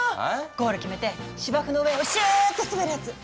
ゴール決めて芝の上をシューッて滑るやつ？